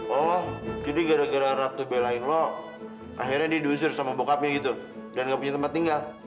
oh jadi gara gara ratu belain lo akhirnya diusir sama bokapnya gitu dan gak punya tempat tinggal